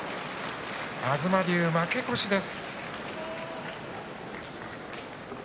東龍、負け越しです。